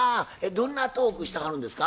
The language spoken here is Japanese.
どんなトークしてはるんですか？